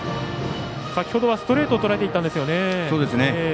先ほどはストレートをとらえていったんですよね。